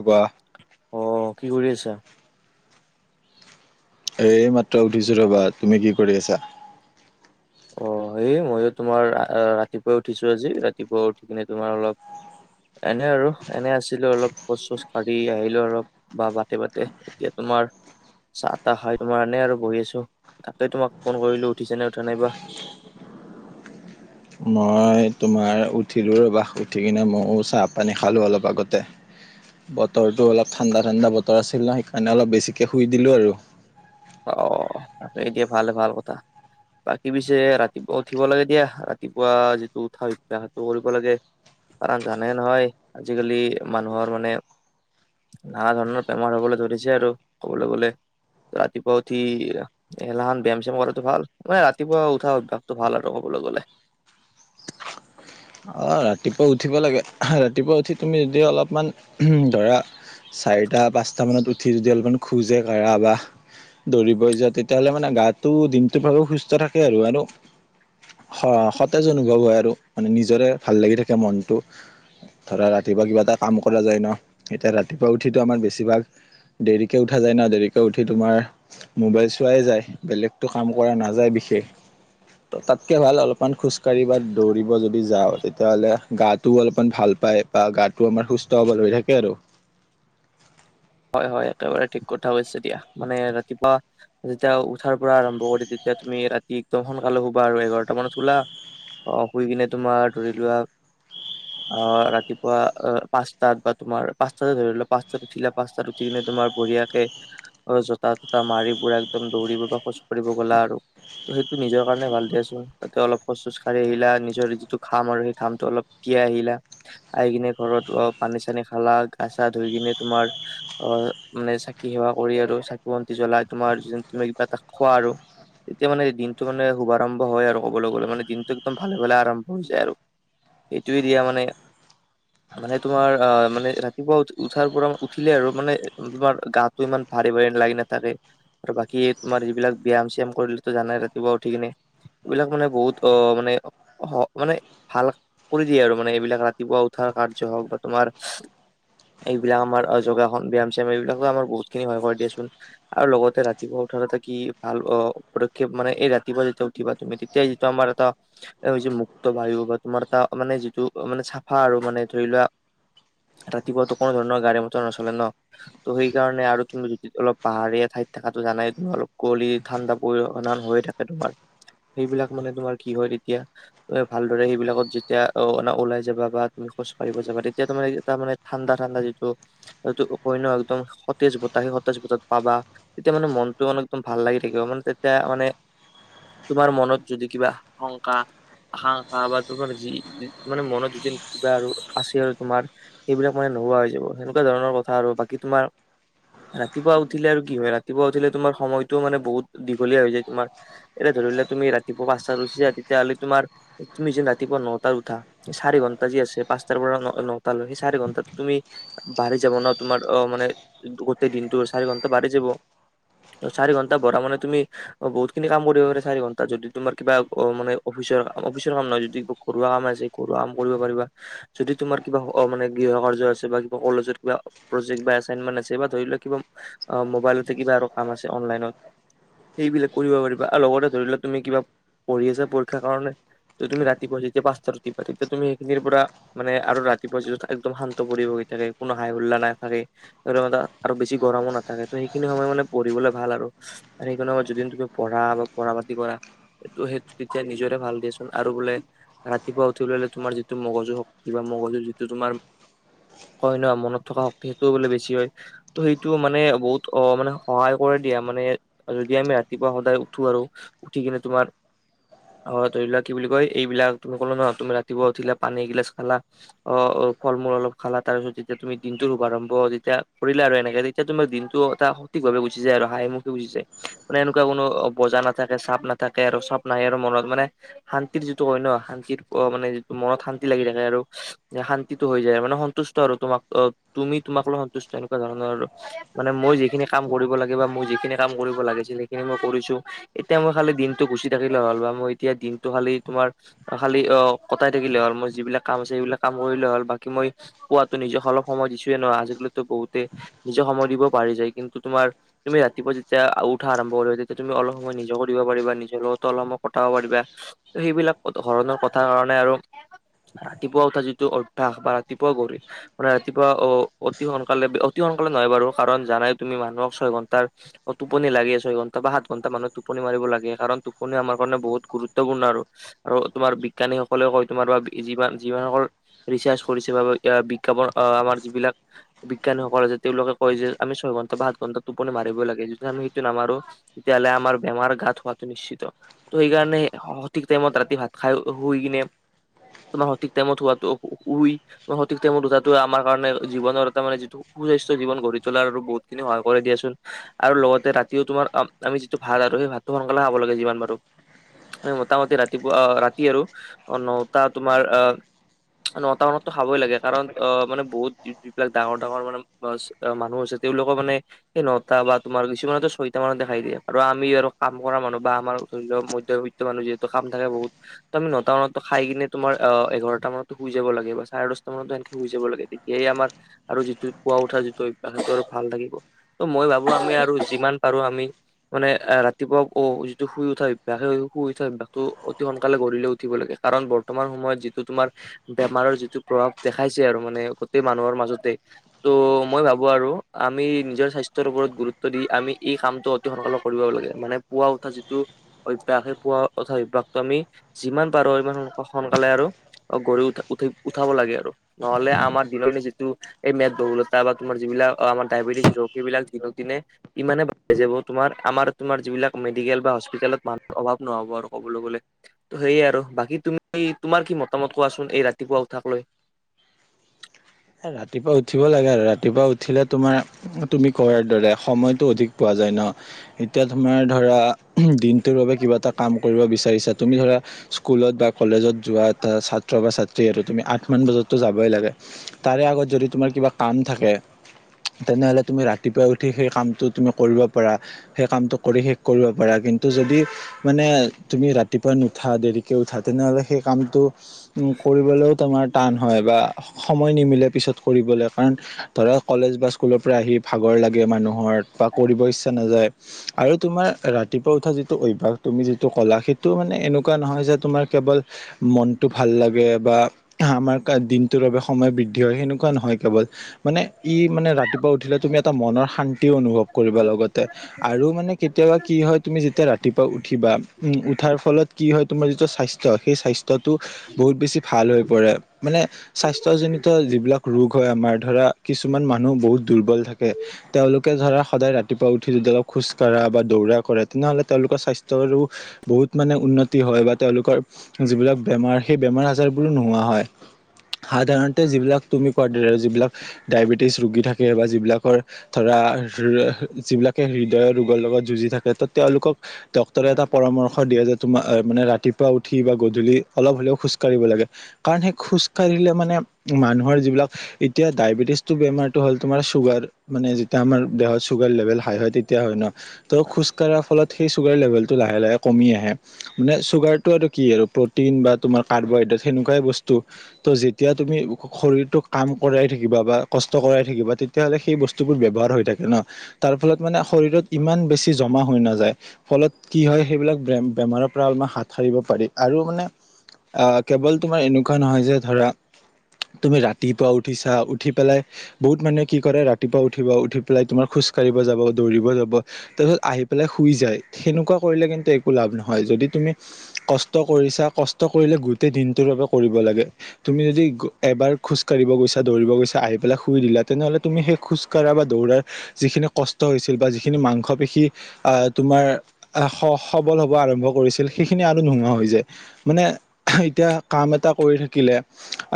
অ কোৱা, অ কি কৰি আছা? এই মাত্ৰ উঠিছো ৰ'বা। তুমি কি কৰি আছা? অ, সেয়ে মইয়ো তোমাৰ ৰাতিপুৱাই উঠিছো আজি, ৰাতিপুৱা উঠি কিনে তোমাৰ অলপ- এনে আৰু এনে আছিলো অলপ খোচ চোচ কাঢ়ি আহিলো অলপ বা বাটে বাটে। এতিয়া তোমাৰ, চাহ তাহ খাই তোমাৰ এনে আৰু বহি আছো, তাকে তোমাক ফোন কৰিলো উঠিছে নে, উঠা নাই বা। মই তোমাৰ উঠিলো ৰবা, উঠি কিনে মইয়ো চাহ পানী খালো অলপ আগতে। বতৰটো অলপ ঠাণ্ডা ঠাণ্ডা বতৰ আছিল ন সেইকাৰণে অলপ বেছিকৈ শুই দিলোঁ আৰু। অ, এতিয়া ভালে ভাল কথা। বাকী পিছে ৰাতিপুৱা উঠিব লাগে দিয়া, ৰাতিপুৱা যিটো উঠা অভ্যাস সেইটো কৰিব লাগে। কাৰণ জানে নহয় আজিকালি মানুহৰ মানে, নানা ধৰণৰ বেমাৰ হ'বলৈ ধৰিছে আৰু ক'বলৈ গ'লে, ৰাতিপুৱা উঠি, এলান ব্যায়াম চ্যাম কৰাটো ভাল মানে ৰাতিপুৱা উঠা অভ্যাসটো ভাল আৰু ক'বলৈ গলে, অ ৰাতিপুৱা উঠিব লাগে ৰাতিপুৱা উঠি তুমি যদি অলপমান ধৰা, চাৰিটা পাঁচটা মানত উঠি যদি অলপমান খোজে কাঢ়া বা, দৌৰিব যোৱা তেতিয়াহ'লে মানে গাটো দিনটোৰ ভাগো সুস্থ থাকে আৰু আৰু, স সতেজ অনুভৱ হয় আৰু মানে নিজৰে ভাল লাগি থাকে মনটো, ধৰা ৰাতিপুৱা কিবা এটা কাম কৰা যায় ন এতিয়া ৰাতিপুৱা উঠি টো আমাৰ বেছিভাগ, দেৰিকে উঠা যায় ন দেৰিকে উঠি তোমাৰ, মোবাইল চোৱাই যায়, বেলেগটো কাম কৰা নাযায় বিশেষ। তাতকে ভাল অলপমান খোজকাঢ়ি বা দৌৰিব যদি যাওঁ তে তেতিয়াহ'লে গাটোও অলপমান ভাল পায় বা গাটো আমাৰ সুস্থ সৱল হৈ থাকে আৰু। হয়, হয়, একেবাৰে ঠিক কথা হৈছে দিয়া, মানে ৰাতিপুৱা যেতিয়া উঠাৰ পৰা আৰম্ভ কৰি তেতিয়া তুমি ৰাতি একদম সোনকালে শুবা আৰু এঘাৰটা মানত শুলা। অ শুই কিনে তোমাৰ ধৰি লোৱা, অ ৰাতিপুৱা পাঁচটাত বা তুমাৰ পাঁচটাতে ধৰিলোৱা পাঁচটাত উঠিলা, পাছতাত উঠি কিনে তুমাৰ বঢ়িয়াকে, আৰু জোতা তোতা মাৰি পুৰা একদম দৌৰিব বা খোজকাঢ়িব গ'লা আৰু, ত' সেইটো নিজৰ কাৰণে ভাল দিয়া চুন তাতে অলপ খোজ চোজ কাঢ়ি আহিলা নিজৰ যিটো ঘাম আৰু সেই ঘামটো অলপ, কিয় আহিলা, আহি কিনে ঘৰত অ, পানী চানী খালা গাচা ধুই কিনে তোমাৰ অ', মানে চাকি সেৱা কৰি আৰু চাকি বন্তি জ্বলাই তোমাৰ তুমি কিবা এটা খোৱা আৰু। তেতিয়া মানে দিনটো মানে শুভাৰম্ভ হয় আৰু ক'বলৈ গলে, মানে দিনটো একদম ভালে ভালে আৰম্ভ হৈ যায় আৰু। এইটোৱে দিয়া মানে, মানে তোমাৰ আহ মানে ৰাতিপুৱা উঠাৰ পৰা উঠিলে আৰু মানে, তোমাৰ গাটো ইমান ভাৰী ভাৰী লাগি নাথাকে। আৰু বাকী তোমাৰ যিবিলাক ব্যায়াম চ্যায়াম কৰিলোঁটো জানাইতো ৰাতিপুৱা উঠি কিনে। এইবিলাক মানে বহুত অ, মানে হ মানে, ভাল, কৰি দিয়ে আৰু মানে এইবিলাক ৰাতিপুৱা উঠাৰ কাৰ্য্য হওক বা তোমাৰ এইবিলাক আমাৰ অ, যোগাসন ব্যায়াম চ্যায়াম এইবিলাকো আমাৰ বহুতখিনি সহায় কৰি দিয়াচোন। আৰু লগতে ৰাতিপুৱা উঠাৰ এটা কি ভাল অ, পদক্ষেপ মানে এই ৰাতিপুৱা যেতিয়া উঠিবা তুমি তে তেতিয়া যিটো আমাৰ এটা হৈছে মুক্ত বায়ু বা তোমাৰ এটা মানে যিটো মানে চাফা আৰু মানে ধৰি লোৱা ৰাতিপুৱাতো কোনো ধৰণৰ গাড়ী মটৰ নচলে ন'। ত' সেই কাৰণে আৰু তুমি যদি অলপ পাহাৰীয়া ঠাইত থাকাটো জানাই অলপ কুৱঁলী ঠাণ্ডা পৰিৱেশ হৈ থাক এতিয়া তোমাৰ, সেইবিলাক মানে তোমাৰ কি হয় তেতিয়া। এ ভালদৰে সেইবিলাকত যেতিয়া অ, ওলাই যাবা বা তুমি খোজকাঁঢ়িব যাবা তেতিয়া তোমাৰ এটা মানে ঠাণ্ডা ঠাণ্ডা যিটো, [unintelligible] সতেজ বতাহ, সেই সতেজ বতাহটো পাবা। তেতিয়া মানে মনটো মানে একদম ভাল লাগি থাকিব, মানে তেতিয়া মানে তোমাৰ মনত যদি কিবা শংকা হা হা বা তোমাৰ যি, মানে মনত যদি কিবা আৰু আছে আৰু তোমাৰ। সেইবিলাক মানে নোহোৱা হৈ যাব সেনেকুৱা ধৰণৰ কথা আৰু, বাকী তোমাৰ ৰাতিপুৱা উঠিলে আৰু কি হয়, ৰাতিপুৱা উঠিলে তোমাৰ সময়টো মানে বহুত দীঘলীয়া হৈ যায়, তোমাৰ এতিয়া ধৰি লোৱা তুমি ৰাতিপুৱা পাঁচটাত উঠিচা তেতিয়াহ'লে তোমাৰ, তুমি যেন ৰাতিপুৱা ন'টাত উঠা। এ চাৰি ঘন্টা যি আছে পাঁচটাৰ পৰা ন'টালৈ সেই চাৰি ঘন্টাটো তুমি বাঢ়ি যাব ন' তোমাৰ অ, মানে, গোটেই দিনটো চাৰি ঘন্টা বাঢ়ি যাব। ত' চাৰি ঘণ্টা বঢ়া মানে তুমি অ', বহুত খিনি কাম কৰিব পাৰে চাৰি ঘন্টা যদি তোমাৰ কিবা অ, মানে অফিচৰ-অফিচৰ কাম নহয় যদি ঘৰুৱা কাম আছে ঘৰুৱা কাম কৰিব পাৰিবা, যদি তোমাৰ কিবা অ, মানে গৃহ কাৰ্য আছে বা কলেজত কিবা, প্ৰজেক্ট বা এচাইনমেন্ট আছে বা ধৰি লওক কিবা অ', মোবাইলতে কিবা আৰু কাম আছে অনলাইনত। সেইবিলাক কৰিব পাৰিবা আৰু লগতে ধৰি লোৱা তুমি কিবা, পঢ়ি আছা পৰীক্ষাৰ কাৰণে। ত' তুমি ৰাতিপুৱা যেতিয়া পাঁচটাত উঠিবা তেতিয়া তুমি সেইখিনিৰ পৰা মানে আৰু ৰাতিপুৱা যিটো একদম শান্ত পৰিবেশ থাকে কোনো হাই হোল্লা নাই খালী [unintelligible] আৰু বেছি গৰমো নাথাকে, ত' সেইখিনি সময় মানে পঢ়িবলৈ ভাল আৰু। আৰু সেইখন সময়ত যদি তুমি পঢ়া বা পঢ়া পাতি কৰা এইটো সেইটো তেতিয়া নিজৰে ভাল দিয়েচোন আৰু বোলে ৰাতিপুৱা উঠি ললে তোমাৰ যিটো মগজু, কিবা মগজু যিটো তোমাৰ হয় নহয় মনত থকা শক্তি সেইটোও বোলে বেছি হয়। ত' সেইটো মানে বহুত অ, মানে সহায় কৰে দিয়া মানে আৰু যদি আমি ৰাতিপুৱা সদায় উঠো আৰু উঠি কিনে তোমাৰ অ', ধৰি লোৱা কি বুলি কয় এইবিলাক তুমি কলো ন' তুমি ৰাতিপুৱা উঠিলা পানী এইগিলাছ খালা। অ', অ, ফল মূল অলপ। খালা তাৰপিছত যেতিয়া তুমি দিনটোৰ শুভাৰম্ভ যেতিয়া কৰিলা আৰু এনেকে তেতিয়া তোমাৰ দিনটো এটা ঠিকভাৱে গুচি যায় আৰু হাহিমুখে গুচি যায়, মানে এনেকুৱা কোনো বজা নাথাকে চাপ নাথাকে আৰু চাপ নাই আৰু মনত, মানে শান্তিৰ যিটো কয় ন শান্তিৰ মানে যিটো মনত শান্তি লাগি থাকে আৰু শান্তিতো হৈ যায় মানে সন্তুষ্ট আৰু তোমাক অ, তুমি তোমাক লৈ সন্তুষ্ট এনেকুৱা ধৰণৰ। মানে মই যিখিনি কাম কৰিব লাগে বা মোৰ যিখিনি কাম কৰিব লাগিছিল সেইখিনি মই কৰিছোঁ। এতিয়া মই খালি দিনটো গুচি থাকিলে হ'ল বা মই এতিয়া দিনটো খালি তোমাৰ খালি অ', কটাই থাকিলে হ'ল মোৰ যিবিলাক কাম আছে সেইবিলাক কাম কৰিলে হ'ল বাকী মই পোৱাতো নিজৰ অলপ সময় দিছোয়ে ন আজিকালিতো বহুতে নিজে সময় দিব পাহৰি যায়, কিন্তু তোমাৰ তুমি ৰাতিপুৱা যেতিয়া উঠা আৰম্ভ কৰিবা, তেতিয়া তুমি অলপ সময় নিজকো কৰিব পাৰিবা নিজৰ লগতো অলপ সময় কটাব পাৰিবা। সেইবিলাক ধৰণৰ কথা কাৰণে আৰু ৰাতিপুৱা উঠা যিটো অভ্যাস বা [unintelligible] মানে ৰাতিপুৱা অ অতি সোনকালে অতি সোনকালে নহয় বাৰু, কাৰণ জানাই তুমি মানুহক ছয় ঘন্টাৰ অ', টোপনি লাগে ছয় ঘন্টা বা সাত ঘণ্টা মানুহক টোপনি মাৰিব লাগে, কাৰণ টোপনি আমাৰ কাৰণে বহুত গুৰুত্বপূৰ্ণ আৰু। আৰু তোমাৰ বিজ্ঞানীসকলেও কয় তোমাৰ বা যিমান-যিমান সকল ৰিচাৰ্জ কৰিছে বা বিজ্ঞাপন আ আমাৰ যিবিলাক বিজ্ঞানীসকলে যে তেওঁলোকে কয় যে আমি ছয় ঘণ্টা বা সাত ঘণ্টা টোপনি মাৰিবই লাগে, যদি আমি সেইটো নামাৰো তেতিয়াহ'লে আমাৰ বেমাৰ গাত হোৱাটো নিশ্চিত। ত', সেইকাৰণে সঠিক টাইমত ৰাতি ভাত খাই শুই কিনে তোমাৰ সঠিক টাইমত শুৱাটো উই সঠিক টাইমত উঠাটো আমাৰ কাৰণে জীৱনৰ এটা মানে যিটো সুস্বাস্থ্য জীৱন গঢ়ি তোলাৰ আৰু বহুত খিনি সহায় কৰে দিয়াচোন। আৰু লগতে ৰাতিও তোমাৰ আমি যিটো ভাত আৰু সেই ভাততো সোনকালে খাব লাগে যিমান পাৰো। আমি মোটামুটি ৰাতিপুৱা অ ৰাতি আৰু অ নটা তোমাৰ অ নটা মানতো খাবই লাগে কাৰণ অ', মানে বহুত যিবিলাক ডাঙৰ- ডাঙৰ মানে মানুহ আছে, তেওঁলোকৰ মানে সেই নটা বা তোমাৰ কিছুমানো ছয়টা মানতে খাই দিয়ে, আৰু আমি আৰু কাম কৰা মানুহ বা আমাৰ ধৰিলোৱা মধ্য বিত্ত মানুহ যিহেতু কাম থাকে বহুত, ত' আমি নটা মানতো খাই কিনে তোমাৰ অ এঘাৰটা মানতো শুই যাব লাগে বচ। চাৰে দচটা মানতো এনকে শুই যাব লাগে, এই আমাৰ আৰু যিটো পুৱা উঠা যিটো অভ্যাস সেইটো আৰু ভাল থাকিব। ত' মই ভাবো আমি আৰু যিমান পাৰো আমি মানে এ ৰাতিপুৱা অ যিটো শুই উঠা অভ্যাস, সেই শুই উঠা অভ্যাসটো অতি সোনকালে গঢ়ী লৈ উঠিব লাগে। কাৰণ বৰ্তমান সময়ত যিটো তোমাৰ বেমাৰৰ যিটো প্ৰভাৱ দেখাইছে আৰু মানে গোটেই মানুহৰ মাজতে। ত' মই ভাবো আৰু আমি নিজৰ স্বাস্থ্যৰ ওপৰত গুৰুত্ব দি আমি এই কামটো টো সোনকালে কৰিব লাগে, মানে পোৱা উঠা যিটো অভ্যাসে পোৱা উঠা অভ্যাসটো আমি যিমান পাৰো সিমান সোনকালে আৰু অ', গঢ়ি উঠ উঠি উঠাব লাগে আৰু। নহ'লে আমাৰ দিনৰ যিটো এই মেদবহুলতা বা তোমাৰ যিবিলাক আমাৰ ডায়বেটিছ ৰোগ এইবিলাক দিনক দিনে ইমানে বাঢ়ি যাব তোমাৰ আমাৰ তোমাৰ যিবিলাক মেডিকেল বা হস্পিতেলত মানুহৰ অভাৱ নহ'ব আৰু ক'বলৈ গ'লে। ত' সেয়ে আৰু বাকী তুমি তোমাৰ কি মতামত কোৱাচোন এই ৰাতিপুৱা উঠাক লৈ। এ ৰাতিপুৱা উঠিব লাগে আৰু ৰাতিপুৱা উঠিলে তোমাৰ তুমি কোৱাৰ দৰে সময়টো অধিক পোৱা যায় ন। এতিয়া তোমাৰ ধৰা দিনটোৰ বাবে কিবা এটা কাম কৰিব বিচাৰিছা, তুমি ধৰা স্কুলত বা কলেজত যোৱা এটা ছাত্ৰ বা ছাত্ৰী আৰু তুমি আঠ মান বজাতো যাবই লাগে। তাৰে আগত যদি তোমাৰ কিবা কাম থাকে। তেনেহ'লে তুমি ৰাতিপুৱাই উঠি সেই কামটো তুমি কৰিব পাৰা। সেই কামটো কৰি শেষ কৰিব পাৰা, কিন্তু যদি মানে তুমি ৰাতিপুৱা নুঠা, দেৰিকে উঠা তেনেহ'লে সেই কামটো উম, কৰিবলেও তোমাৰ টান হয় বা সম ময় নিমিলে পিছত কৰিবলে, কাৰণ ধৰা কলেজ বা স্কুলৰ পৰা আহি ভাগৰ লাগে মানুহৰ বা কৰিব ইচ্ছা নাযায়। আৰু তোমাৰ ৰাতিপুৱা উঠা যিটো অভ্যাস তুমি যিটো কলা সেইটো মানে এনেকুৱা নহয় যে তোমাৰ কেৱল মনতটো ভাল লাগে বা আমাৰ দিনটোৰ বাবে সময় বৃদ্ধি হয় সেনেকুৱা নহয় কেৱল, মানে ই মানে ৰাতিপুৱা উঠিলে তুমি এটা মনৰ শান্তিও অনুভৱ কৰিবা লগতে, আৰু মানে কেতিয়াবা কি হয় তুমি যেতিয়া ৰাতি ৰাতিপুৱা উঠিবা, উম, উঠাৰ ফলত কি হয় তোমাৰ যিটো স্বাস্থ্য সেই স্বাস্থ্যটো বহুত বেছি ভাল হৈ পৰে, মানে স্বাচ স্বাস্থ্যজনিত যিবিলাক ৰোগ হয় আমাৰ ধৰা কিছুমান মানুহ বহুত দুৰ্বল থাকে। তেওঁলোকে ধৰা সদায় ৰাতিপুৱা উঠি যদি অলপ খোজ কঢ়া বা দৌৰা কৰে তেনেহলে তেওঁলোকৰ স্বাস্থ্যৰো বহুত মানে উন্নতি হয় বা তেওঁলোকৰ যিবিলাক বেমাৰ, সেই বেমাৰ আজাৰবোৰো নোহোৱা হয়। সাধাৰণতে যিবিলাক তুমি কোৱাৰ দৰে যিবিলাক ডায়েবেটিছ ৰোগী থাকে বা যিবিলাকৰ ধৰা ৰ যিবিলাকে হৃদয়ৰ ৰোগৰ লগত যুঁজি থাকে ত' তেওঁলোকক ডক্টৰে এটা পৰামৰ্শ দিয়ে যে তোমাৰ আ মানে ৰাতিপুৱা উঠি বা গধূলি অলপ হলেও খোজকাঢ়িব লাগে। কাৰণ সেই খোজ কাঢ়িলে মানে মানুহৰ যিবিলাক এতিয়া ডায়বেটিছটো বেমাৰটো হ'ল তোমাৰ চুগাৰ, মানে যিতিয়া আমাৰ দেহত চুগাৰ লেভেল হাই হয় তেতিয়া হয় ন। ত' খোজ কঢ়াৰ ফলত সেই চুগাৰ লেভেলটো লাহে লাহে কমি আহে। মানে চুগাৰটো আৰু কি আৰু প্ৰটিন বা তোমাৰ কাৰ্বহাইড্ৰেট সেনেকুৱাই বস্তু। ত' যিতিয়া তুমি শৰীৰটোক কাম কৰাই থাকিবা, বা কষ্ট কৰাই থাকিবা তেতিয়াহলে সেই বস্তুবোৰ ব্যৱহাৰ হৈ থাকে ন। তাৰ ফলত মানে শৰীৰত ইমান বেছি জমা হৈ নাযায়। ফলত কি হয়, সেইবিলাক বেমাৰৰ পৰা অলমান হাত সাৰিব পাৰি আৰু মানে আহ কেৱল তোমাৰ এনেকুৱা নহয় যে ধৰা তুমি ৰাতিপুৱা উঠিছা, উঠি পেলাই বহুত মানুহে কি কৰে ৰাতিপুৱা উঠিব, উঠি পেলাই তোমাৰ খোজ কঢ়িব যাব, দৌৰিব যাব। তাৰছত আহি পেলাই শুই যায়, সেনেকুৱা কৰিলে কিন্তু একো লাভ নহয় যদি তুমি কষ্ট কৰিছা, কষ্ট কৰিলে গোটেই দিনটোৰ বাবে কৰিব লাগে। তুমি যদি এবাৰ খোজ কাঢ়িব গৈছা, দৌৰিব গৈছা, আহি পেলাই শুই দিলা তেনেহ'লে তুমি সেই খোজকাঢ়া বা দৌৰাৰ যিখিনি কষ্ট হৈছিল বা যিখিনি মাংস পেশী আহ তোমাৰ আহ স-সবল হব আৰম্ভ কৰিছিল সেইখিনি আৰু নোহোঁৱা হৈ যায়। মানে এতিয়া কাম এটা কৰি থাকিলে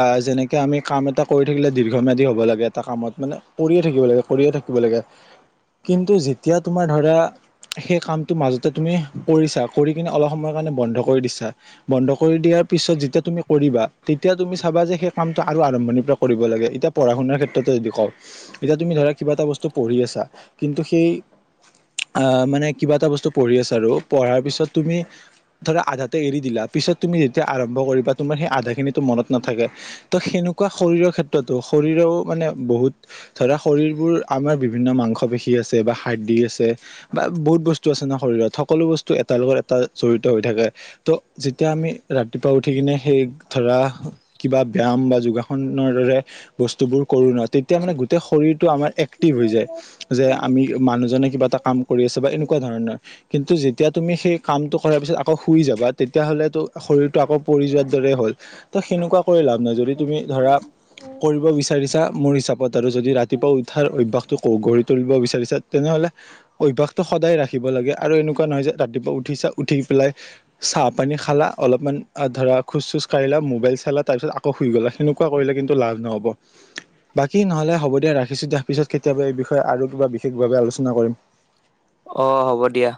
আ, যেনেকে আমি কাম এটা কৰি থাকিলে দীৰ্ঘম্যাধি হব লাগে এটা কামত মানে কৰিয়ে থাকিব লাগে কৰিয়ে থাকিব লাগে, কিন্তু যেতিয়া তোমাৰ ধৰা সেই কামটো মাজতে তুমি কৰিছা, কৰি কিনে অলপ সময় কাৰণে বন্ধ কৰি দিছা বন্ধ কৰি দিয়াৰ পিছত যেতিয়া তুমি কৰিবা তে তিয়া তুমি চাবা যে সেই কামটো আৰু আৰম্ভণিৰ পৰা কৰিব লাগে। এতিয়া পঢ়া শুনাৰ ক্ষেত্ৰতো যদি কওঁ এতিয়া তুমি ধৰা কিবা এটা বস্তু পঢ়ি আছা, কিন্তু সেই আ, মানে কিবা এটা বস্তু পঢ়ি আছা আৰু, পঢ়াৰ পিছত তুমি ধৰা আধাতে এৰি দিলা, পিছত তুমি যেতিয়া আৰম্ভ কৰিবা তুমাৰ সেই আধা খিনি মনত নাথাকে। ত' সেনেকুৱা শৰীৰৰ ক্ষেত্ৰতো, শৰীৰও মানে বহুত ধৰা শৰীৰবোৰ আমাৰ বিভিন্ন মাংস পেশী আছে বা হাৰ্ডী আছে বা বহুত বস্তু আছে ন শৰীৰত, সকলো বস্তু এটাৰ লগত এটা জড়িত হৈ থাকে। ত' যেতিয়া আমি ৰাতিপুৱা উঠি কিনে সেই ধৰা কিবা ব্যাম বা যোগাসনৰ দৰে বস্তুবোৰ কৰো ন তেতিয়া মানে গোটেই শৰীৰতটো আমাৰ এক্টিভ হৈ যায়, যে আমি মানুহজনে কিবা এটা কাম কৰি আছে, বা এনেকুৱা ধৰণৰ। কিন্তু যেতিয়া তুমি সেই কামটো কৰাৰ পিছত আকৌ শুই যাবা তেতিয়া হ'লেতো শৰীৰটো আকৌ পৰি যোৱাৰ দৰে হ'ল। ত' সেনেকুৱা কৰি লাভ নাই যদি তুমি ধৰা, কৰিব বিচাৰিছা মোৰ হিচাপত আৰু যদি ৰাতিপুৱা উঠাৰ অভ্যাসটো গঢ়ি তুলিব বিচাৰিছে তেনেহলে অভ্যাসটো সদায় ৰাখিব লাগে আৰু এনেকুৱা নহয় যে ৰাতিপুৱা উঠিচা, উঠি পেলাই চাহ পানী খালা অলপমান ধৰা খোজ-চোজ কাঢ়িলা, মোবাইল চালা, তাৰপিছত আকৌ শুই গলা, তেনেকুৱা কৰিলে কিন্তু লাভ নহ'ব। বাকী নহলে হ'ব দিয়া ৰাখিছো দিয়া, পিছত কেতিয়াবা এই বিষয়ে আৰু কিবা বিশেষভাৱে আলোচনা কৰিম। অ', হ'ব দিয়া।